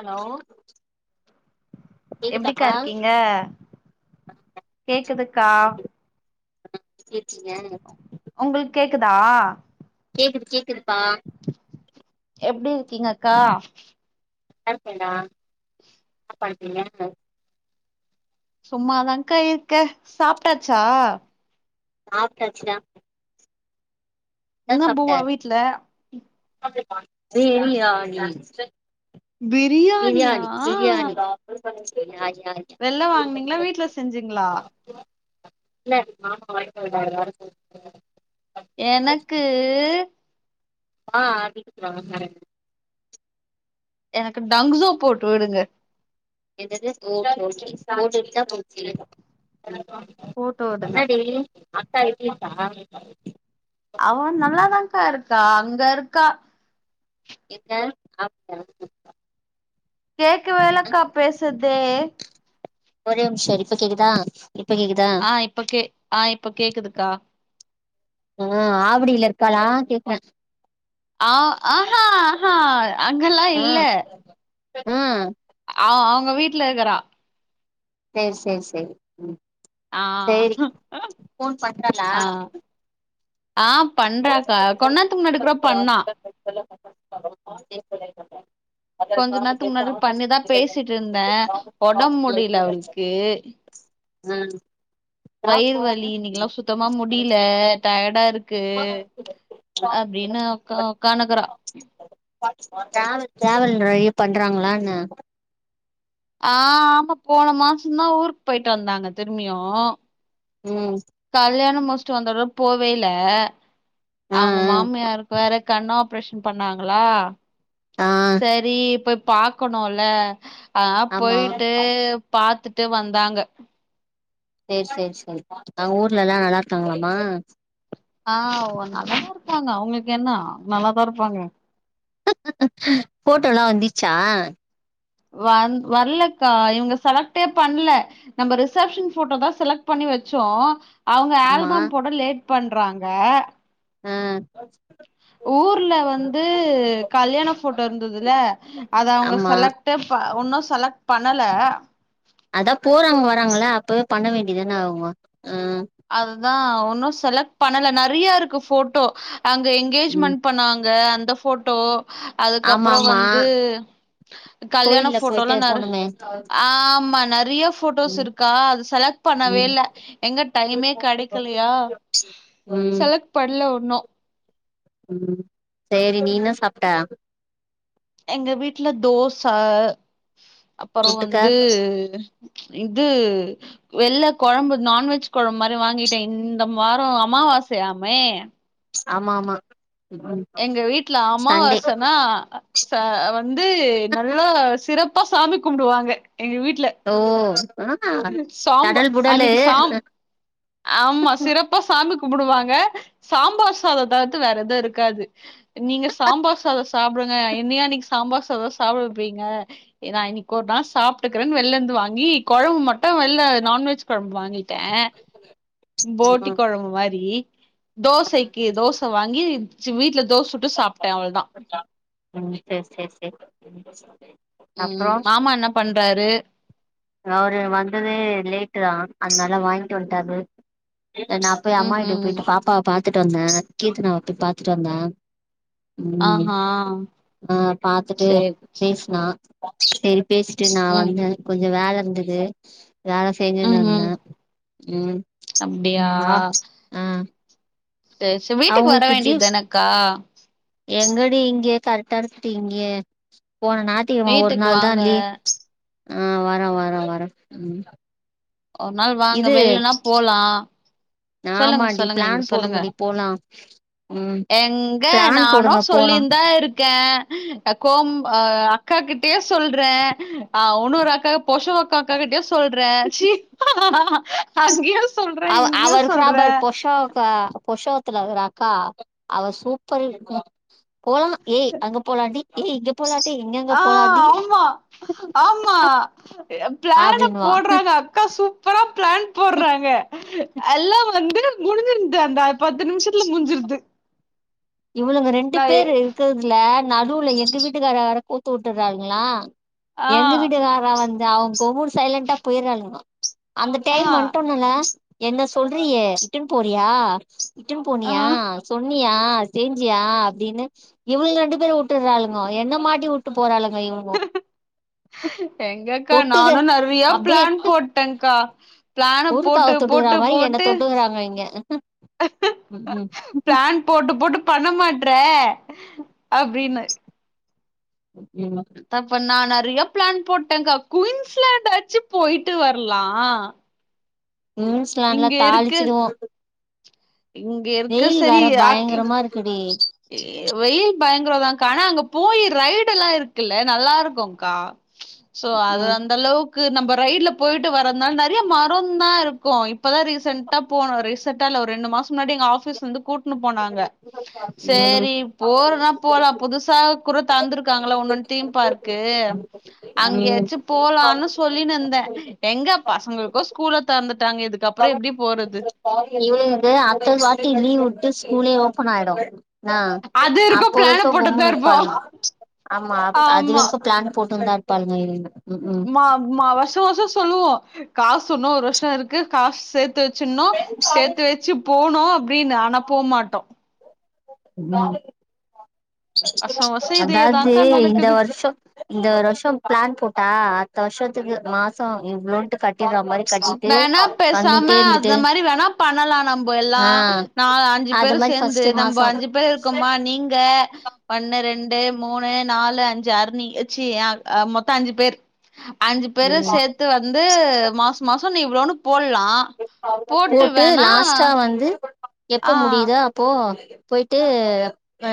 Allow எப்டிக்கா இருக்கீங்க கேக்குதுக்கா [inaudible] உங்களுக்கு [unintelligible] கேக்குதா கேக்குது கேக்குது எப்டி இருக்கீங்க அக்கா [unintelligible] சும்மாதாங்கா இருக்க சாப்டாச்சா சாப்டாச்சுடா என்ன பூவா வீட்ல சரியா நீ பிரியாணியா [unintelligible] வெள்ள வாங்கனீங்களா வீட்ல செஞ்சீங்களா இல்ல மாமா வாங்கிட்டு வந்தாங்க எனக்கு ஆ [unintelligible] எனக்கு டங்ஸோ போட்டு விடுங்க என்னது ஓ போட்டு விட்டாப் போச்சு போட்டு விடுங்க என்னடி அக்கா இருக்கேம்பா அவ நல்லாதாங்கா இருக் க்கா அங்க இருக்கா எங்க [inaudible] கேக்கவேல்லக்கா பேசுறது டே ஒரே ஒரு நிம்ஷோ இரு இப்ப கேக்குதா இப்ப கேக்குதா ஆ இப்ப கே ஆ இப்ப கேக்குதுக்கா ஆ ஆவடியில இருக்காளா கேக்ற ஆ ஆஹா ஆஹா அங்கல்லா ஆ இல்ல ஆ ஆ அவுங்க வீட்ல இருக்குறா சேரி சேரி சேரி ம் ஆ சேரி ஃபோன் பண்றாலா ஆ ஆ பண்றாக்கா கொஞ்ச நேரத்துக்கு முன்னாடி கூட பண்ணா [inaudible] கொஞ்ச நேரத்துக்கு முன்னாடி பண்ணிதா பேசிட்டு இருந்த ஒடம் முடியில அவளுக்கு ம் ஜாப் வயிறு போறாங்க வலி இன்னிக்குலா சுத்தமா முடியில டயடா இருக் இருக்கு அப்டின்னா உக்கா உக்கானு இருக்குறா டிராவல் நெறைய பண்றாங்களா என்ன ஆ ஆமா போன மாசந்தா ஊருக்கு போயிட்டு வந்தாங்க திரும்பியு ம் கல்யாணமு ஃபர்ஸ்ட் வந்தோனே போவே இல்ல ஆ ஆ அவங்க மாமியாருக்கு வேற கண் ஆப்ரேஷன் பண்ணாங்களா ஆ சரி இப்ப பாக்கணுல ஆ ஆமா போயிட்டு பாத் ட்டு வந்தாங்க சேரி சேரி சேரி அங்க ஊர்லலா நல்லா இருக்காங்களாமா ஆ நல்லாதா இருப்பாங்க அவங்களுக்கு என்ன நல்லாதா இருப்பாங்க போட்டோலா வந்துச்சா வந் வரலக்கா இவங்க செலக்டே பண்ணல நம்ம ரிசப்ஷன் போட்டோ தா செலக்ட் பண்ணி வச்சோ அவங்க ஆமா ஆல்பம் போட லேட் பண்றாங்க ஆ ஊர்ல வந்து கல்யாண ஃபோட்டோ இருந்ததுல அத அவங்க ஆமா செலக்டேப ஒன்னு செலக்ட் பண்ணல அதா போறாங்க வராங்கள அப்பவே பண்ண வேண்டியதுதான அவுங்க அதுதா ஒன்னு செலக்ட் பண்ணல நெறையா இருக்கு ஃபோட்டோ ஆங்க ம் எங்கேஜ்மெண்ட் பண்ணாங் த அந்த ஃபோட்டோ ஆமா அதுக்கப்புற ஆமா வந்து கல்யாண கோயில்ல போயிட்டு ஃபோட்டோலா நற் போனோமே ஆமா நெறையஃப் ஃபோட்டோஸ் ம் இருக்கா அது செலக்ட் பண்ணவே ம் இல்ல எங்கட் எங்கயுமே கெடைக்கலையா ம் செலக்ட பட ல்ல ஒண்ணு [unintelligible] சேரி நீண்ணா சாப்ட்ட எங்க வீட்ல தோச அப்போறோ தொட்டுக்க வந்து இது வெள்ள கொழம்பு நான்வெஜ் கொழம்பு மாரி வாங்கிட்டே இந்த வாரோ அமாவாசையாமே ஆமா ஆமா ம் எங்க வீட்ல சண்டே அமாவாசன்னா ச வந்து நல்லா சிறப் ப்பா சாமி கும்டுவாங்க ஓ ஆ சாம்பா தடல் புடலு அன்னைக்கு சாம் ம் கும்புடுவாங்க சாம்பார் சாத தவிர்த்து வேற எதுவு இருக்காது நீங்க சாம்பார் சாத சாப்டுங்க என்னய அன்னிக்கு சாம்பார் சாத சாப்டவப்பீங்க நா இன்னிக்கு ஒரு நாள் சாப்ட்டுக்கறேனு வெளிலேந்து வாங்கி கொழம்பு மட்டு ட்டு வெளில நான்வெஜ் கொழம்பு வாங்கிட்டே போட்டி ம் கொழம்பு மாரி [unintelligible] தோசைக்கி தோச வாங்கி வீட்ல தோசை சுட்டு சாப்ட்டேன் அவ்ளோதான். உம் சேரி-சேரி-சேரி உம் மாமா என்ன பண்றாரு அவரு வந்ததே லேட்டு தா அதனால வாங்கிட்டு வந்ட்டாரு நா போய் அம்மா வீட்டுக்கு ம்ஹ்ம். போயிட்டு பாப்பாவ பா பாத்துட்டு வந்தே கீர்த்தனாவ போய் பாத்துட்டு வந்தே உம் ஆஹா. ஆ பாத்துட்டு சரி. பேசுனா சேரி பேசிட்டு நா ம். வந்தே கொஞ் கொஞ்ச வேல இருந்தது வேல செஞ்சுனு ம்ஹ்ம். இருந்தே ம் அப்டியா ம் ஆ ஆ சரி, சரி. வீட்டுக்கு வர அவுங்களுக்கு வேண்டியது ஜீஸ் தானக்கா? எங்கடி இங்கேயே கரெக்டா இரு க்கு இங்கே போன நாத்திகிழம ஒரு வீட்டுக்கு நாள் தா வாங்க. லீவு ஆ வரே-வரே-வரே ஒரு நாள் வாங்க வெளினா போலா சொல்லுங்க ஆமாண்டி சொல்லுங்க நீங்க பிளான் சொல்லுங்க போடுங்கடி போலா உம் எங்க பிளான் போடுங்க போலா கோம்ப் ஆ அக்காகிட்டயே சொல்றே ஆ ஒன்னொரு அக்கா பொர்ஷவாக்கக்காகிட்டயு சொல்றே ச்சீ ஆ ஆ அங்கயூஸ் அவ அவ இருக்கற பார் பொஷாக்கா பொஷவ் இருக்காளேக்கா அவ சூப்பர் இரு போலாம் ஏய் அங்க போலாண்டி ஹீ இகும் ஆ ஆமா ஆமா பிளான அப்டின்னுவா போட்றாங்க அக்கா சூப் பர் அப்புறம் பிளான் போடறாங்க எல்லாம் வந்து முடிஞ்சிரது அந்த பத்து நிமிஷத்துல முடிஞ்சிரது இவ்ளுங்க ரெண்டு பேர் இருக்கர்துல நடுவுல எங்க வீட்டுக்கார வேற கோத்து விட்டுராங்களா ஆ எங்க வீட்டுகார வந்து அவுங் இப்பவு. சைலண்டா போயிராங்களங்க அந்த டைம் ஆ வன்ட்டோனல்லாஸ் என்ன சொல்றியே இட்டுன் போறியா இட்டுன் போனியா ஆ சொல் நீயா ஸ் செஞ்சியா அப்டினு இவளங்கலா ரெண்டு பேரையு வுட்டுறாளுங்க என்ன மாட்டி வுட்டு போறாளுங்க இவங்க எங்கக்கா தொட்டுது நானு நெறைய அப்டியே பிளான் போட்டேங்க்கா பிளான ஊருக்காவ போட்டு தொட்டுக்கற போட்டு மாரி என்ன போட்டு தொட்டுக்கறாங்க இங்க ம் பிளான் போட்டு போட்டு பண்ண மாட்ற அப்டீனு [unintelligible] அப்ப நானு அந் நெறைய பிளான் போட்டங்க்கா குயின்ஸ்லாண்டாச்சு போயிட்டு வரலா குய்ண்ஸ்லாண்ட்லா இங்க இருக்கு தாளிச்சிடுவோ இங்க இருக்கு வெயில் வேற பயங்கரமா இருக்குடி ஏ வெயில் பயங்கரதாக்கா ஆனா அங்க போய் ரைடெல்லா இருக்குல்ல நல்லா இருக்கும் அக்கா சோ அது ம் அந்தளவுக் கு நம்ப ரைட்ல போயிட்டு வரதநால நெறைய மரம்தா இருக்கும் இப்பதா ரீசண்டா போனோ ரீசெண்டா இல்ல ரெண்டு மாச முன்னாடி எங்க ஆபிஸ்ல இருந்து கூட் இட்னுபோனாங்க ம் சரி போறதுன்னா போலா புதுசா குரு தந்துருக்காங்கள ஒன்னொன்னு தீம் பார்க்கு யோ [unintelligible] அங்கயாச்சு போலான்னு சொல்லினுயிருந்தே எங்க பசங்களுக்கோ ஸ்கூல தெறந்துட்டாங்க இதுக்குப்புற எப்டி போறது இருந்து அடுத்த வாட்டி லீவு விட்டு ஸ்கூலே ஓபன் ஆயிடும் ஆ அது வரைக்கு அப்போ பிளான வெரைக்கு போட்டுதா கொம்முன்னு இருப்போ இருப்பாலுக ஆமா அது ஆமா வரைக்கு பிளான் போட்டு தா இருப்பாலுங்க இ மா மாவா [unintelligible] வருஷ வருஷ சொல்லுவோ காசு இன்னோ ஒரு வருஷ இருக்கு காசு சேத்து சேத்து வச்சோனா சேத்து வச்சு போணு அப்டினு ஆனா போமாட்டோ ஆஹ் வருஷோ வருஷோ [unintelligible] அதாவது இதேதாக்கா இந்த நடக்குது வருஷ இந்த வருஷ பிளான் போட்டா அடுத்த வருஷ மாச இவ்ளோன்டு கட் வேணா பேசாம அந்த இருந்துட்டு மாதிரி வேணா பண்ணலா நம்ப எல்லா ஆ நாலு அஞ்சு அது பேரு மாரி சேந்து சேந்து ஃபர்ஸ்ட் நம்ப மாசோ அஞ்சு பேர் இருக்கோமா நீங்க ஒன்னு ரெண்டு மூனு நாலு அஞ்சு ஆறுணி ச்சீ மொத்த அஞ்சு பேர் அஞ்சு பேரு ம் சேத்து வந்து மாச மாசோ நீ இ்வ்ளோனு போட்டு லாஸ்டா வந்து எப்ப ஆ முடியுதோ அப்போ போய்ட்டு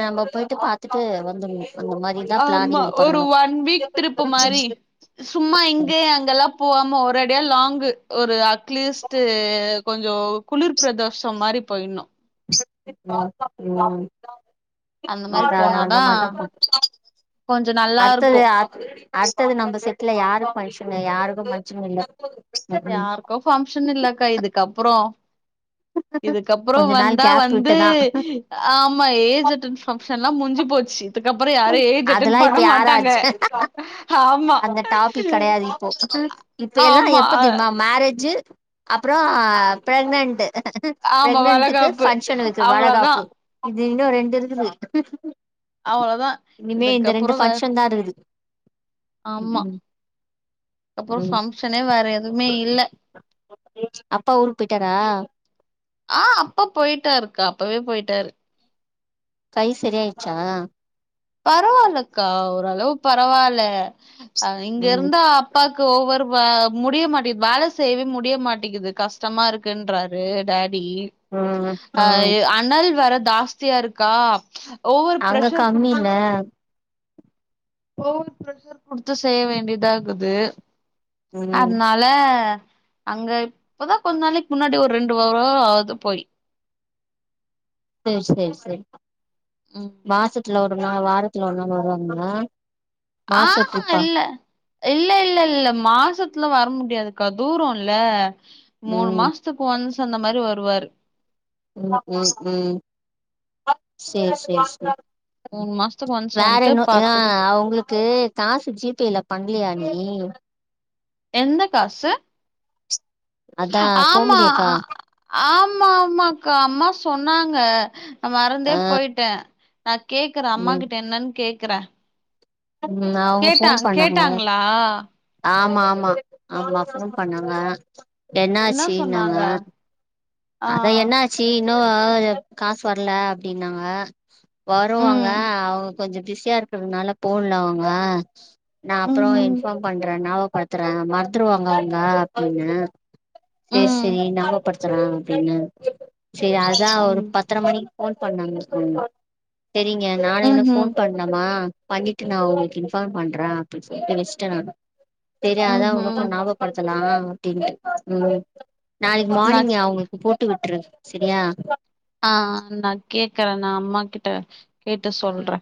நம்ம போய்ட்டு பாத்துட்டு வந்தர்னு ஆமா ஒரு ஒன் வீக் ட்ரிப் மாரி சும்மா இங்க அங்கெலா போவா ஆமா ஒரேடியா லாங்கு ஒரு அட்லீஸ்டு கொஞ்ச குளிர் பிரதோஷ மாரி போயிடனு ச ச ம் அந்த ம் மாரி அ போனாதா அந்தமாதிதா போனு கொஞ்சோ நல்லா அடுத்தது இருக்கு ஆ அடுத்தது நம்ம செட்ல யாருக்கு ஃபங்சனு யாருக்கு ஃபங்சன் இல்ல ம் யாருக்கு ஃபங்க்ஷன் இல்லக்கா இதுக்கப்புற இதுக்கப்ற கொஞ்ச நாள் வந்தா கேப் வந்து விட்டுதா ஆமா நா ஏஜ் அட்டன் ஃபங் சன்ல்லா முஞ்சு போச்சி துக்கப்புறம் யாரும் ஏஜ்ஜட்டன் அதெல்லா பண்ண இப்ப மாட்டாங்க யாராச்சு ஆமா இப்பயெல்லா ஆமா எப்ப தெரியுமா மேரேஜ்ஜூ அப்புறோ அ- பிரெக்னென்டு ஆமா பிரெக்னென்டுக்கு வளகாப்பு பங்க்ஷன் வெக்க அவ்ளோதா வலகாப்பு இன்னோ ரெண்டு இருக்குது அவ்ளதா இனிமே இந்த ரெண்டு ஃபங்க்ஷன்தா இருகுது ஆமா அப்புறோ ம் பங்க்ஷனே வேற எதுவுமே இல்ல அப்பா ஊருக்கு போயிட்டாரா ஆ அப்பா போயிட்டாரு க்கா அப்பவே போயிட்டாரு கை செரியாயிச்சா பரவாயில்லக்கா ஓரளவு பரவாயில்ல அ இங்க ம் இருந்தா அப்பாக் க்கு ஓவர் வ முடிய மாட்டிகுது வேல செய்யவே முடிய மாட்டிகுது கஷ்டமா இருக்குன்றாரு டே டி ம் அ ம் அனல் வரது ஜாஸ்தியாயிருக்கா ஓவர் பிரெஷர் குடுத் லா ஓவர் பிரெஷர் குடுத்து செய்ய வேண்டியதாகுது ம் அனால அங்க இப்பதா கொஞ்ச நாளிக்கு முன்னாடி ஒரு ரெண்டு வாரோ ஆகுது போய் சேரி செரி செரி ம் மாசத்து ல ஒரு நாள் வாரத்துல ஒரு நாள் வருவாங்கல ஆஹா இல்ல இல்லயில்லயில்ல மாசத்துல வ வர முடியாதுக்கா தூரோயில்ல மூணு ம் மாசத்துக்கு ஒன்ஸ் அந்த மாரி வரு ருவாரு உ உ உம் சேரி செ செ மூணு மாசத்துக்கு ஒன்ஸ் வேற வந்ட்டு என்ன ஆ பாத்துட்டு அவங்களுக்கு காசு ஜிபேல பண்ணலையா உம் என்ன காசு அதா ஆமா கோமுதி அக்கா ஆ- ஆமா ஆமாக்கா அம்மா சொன்னாங்க நா மறந்தே ஆ போயிட்டே நா கேக்குறே அம்மா ம் கிட்ட என்னன்னு கேக் க்ற ம் னவ்ங்க போன் பண்ணாங்க அ ம ம அம பொன் பண்ணாங்க என்ன என்னாச்சசி நாங்க சொன்னாங்க ஆ அத என்னாச்சு இன்னோவ் காசு வரல அப்டின்னாங்க வருவாங்க ம் அவ கொஞ்ச பிஸியா இருக்றதுனால போல்லங்க நா அப்றொ ம் இன்பார்ம் பண்றே நா வ் பத்றே மறந்துருவாங்க ங்க அப்டின்னு ம் சேர் ம் செரி நாமப்படு ஜல ன்ன சே அதா ஒரு ம் பத்ர மணி போன் பண்ணாங்க க சரிங்க நானு இன்னு போன் ம்ஹூம் பண்ணுமா பண்ணிட்டு நா உங்ளுக்கு இன்ஃபார்ம் பண்றே அப்டி சொல்ட்டு வச்சட்டே நா சரி அதா ம்ஹூம் உங்கக்கும் நாபகப்படுத்தலா ம் நாள்க்கு நா மார்னிங் மியவ்ங் விட்ரு சரியா அ நா கேக்குறே நா அம்மா கிட்ட கேட்டு அ சொல்றே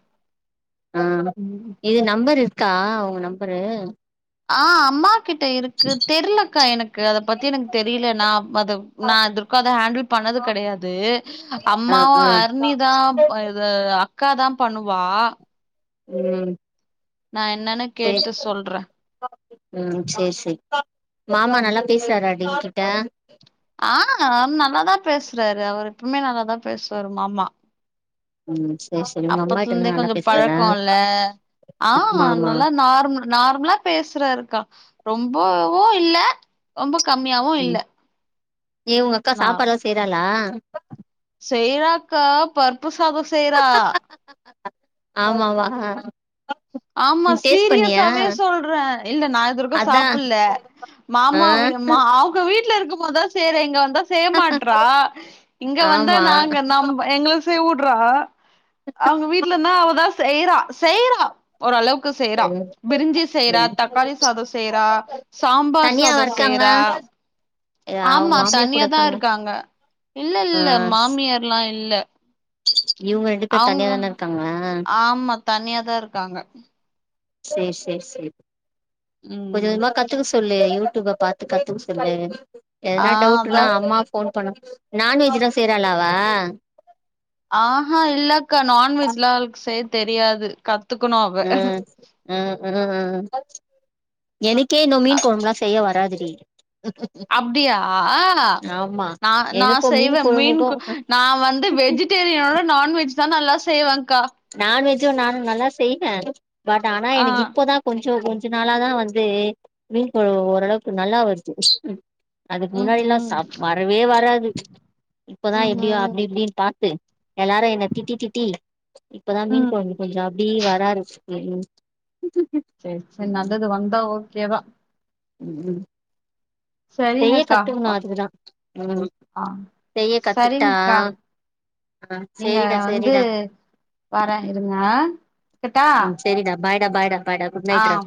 அ ம் இது நம்பர் இ கா அவ்ங்க நம்பரு அ அம்மா கிட்ட இருக்கு தெர்லக்கா எனக்கு அத பத்தி எனக்கு தெரில நா பது நா துற்கா அத ஹேண்டில் பண்ணது கெடையாது ஆ அம்மாவும் ஆ ஹரிணிதா இத க்காதா பண்ணுவா உ நா என்னன்னு சேர் கேட்டு சொல்றே உ சேர் சேர் மாமா நல்லா பேசுறாரா டெய்க் டேம் அ அத் நல்லாதான் பேசுறாரு அவர் எப்மே நல்லாதான் பேசுவாரு மாமா ம் சேரி சேரி உங்க அம்மா கிட்ட அப்பத்துலருந்தே நல்லா கொஞ்ச பேசுறாரா பழக்கொல்ல ஆ ஆமா ஆமா நல்லா நார்மல் நார்ம்லா பேசுராரு கா ரொம்பவு இல்ல ரொம்ப கம்மியாவு ம் இல்ல ஏ உங்க அக்கா சாப்பாடுலா செய்றாளா [inaudible] செய்ராக்கா பர்பஸ் சாதோ செய்றா ஆமாவா அ ஆமா சீரீயஸாவே சொல்றே இல்ல நா இதுவருக்கு அதா சாப்பிட்ல ஆ மாமா வி மா அவங்க வீட்ல இருக்க ம்போதா செய்ரே இங்க வந்தா செய்யமாட்றா இங்க வந்தா ஆமா நாங்க நம் எங்கள செய்வுட்றா அவங்க வீட்லனா அவதா செய்ரா செய்ரா ஒரு அளக் க்கு செய்றா ம் பிரிஞ்சி செய்றா ம் தக்காளி சாதோ செய்றா சாம்பார் தனியாவா சாதோ இருக்காங்க செய்றா அவங்க ஆமா மாமியார் கூட தனியாதா இருக்காங்களா இருக்காங்க இல்ல ஆ இல்ல மாமியார்ல்லா இ இல்ல ச [unintelligible] இவங்க ரெண்டு பேர் தனியா அவுங்க தான இருக்காங்க தா இருக்காங்க சேரி சேரி சேரி கொஞ்ச ம் கொஞ்சமா கத்துக்க சொல்லு யூ டூயூப பாத்து கத்துக்க சொல்லு ஆ எதனா டவுட் னா அதாக் அம்மா ஃபோன் பண்ண நான்வெஜ் லா செய்றாளா அவ ஆஹ்ஹா இல்லக்கா நான்வெஜ் லா அவள்க் செய் தெரியாது கத் உ உ உ எனக்கே இன்னு அ மீன் குழம்புலா செய்ய வராது ஈ அப்டியா ஆமா நா நா எனக்கு மீன் செய்வே மீன்கொ கொழம்புக்கு நா வந்து வெஜிடேரியனோட நான்வெஜ் தா நல்லா செய்வங் நான்வெஜ் வெஜ்ஜு நானு நல்லா செய்வே பட் ஆனா ஆ எனக்கு இப்பதா கொஞ் கொஞ்சோ கொஞ்ச நாளாதா வந்து மீன் குழம்பு ஓரளவுக்கு நல்லா வருது அதுக்கு முன்னாடிலா ம்ஹும் ச வரவே வராது இப்பதா எப்டியோ ம்ஹும் அப்டி இப்டின்னு பாத்து எல்லாரு என்ன திட்டி திட்டி இப்பதா மீன் ம் குழம்பு கொஞ்சோ அப்டீ வராரம்சிருக்கு செரி வந்தது வந்தா கேவா உ உ சரிங்கக்கா ஆ ம் ஆ செய்ய கத்துக்கிட்டா சரிங்கக்கா ஆ நீங்க சேரிடா வந்து சேரிடா வரே இருங்க வக்கட்டா ம் சேரிடா பாய்டா பாய்டா பாய்டா குட் நைட் ஆ டா